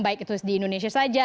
baik itu di indonesia saja